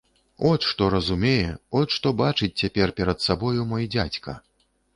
От што разумее, от што бачыць цяпер перад сабою мой дзядзька.